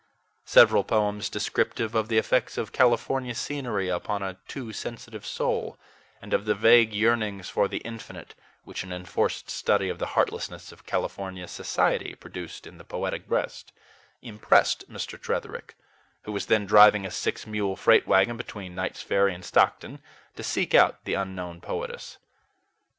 Several poems descriptive of the effects of California scenery upon a too sensitive soul, and of the vague yearnings for the infinite which an enforced study of the heartlessness of California society produced in the poetic breast, impressed Mr. Tretherick, who was then driving a six mule freight wagon between Knight's Ferry and Stockton, to seek out the unknown poetess.